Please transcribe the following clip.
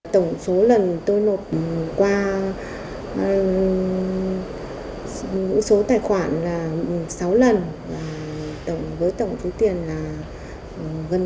tổng số lần tôi nộp qua số tài khoản là sáu lần với tổng số tiền là gần một tỷ